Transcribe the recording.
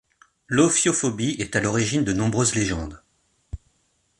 L’ophiophobie est à l'origine de nombreuses légendes.